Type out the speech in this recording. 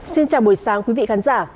xin chào buổi sáng quý vị khán giả